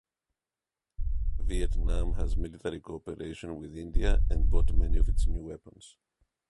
Vietnam has military cooperation with India and bought many of its new weapons.